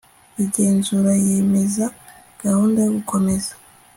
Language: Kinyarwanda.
igenzura yemeza Gahunda yo Gukomeza